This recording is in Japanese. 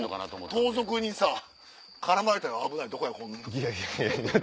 盗賊にさ絡まれた危ないとこやこんなん。